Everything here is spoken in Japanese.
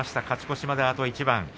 勝ち越しまであと一番。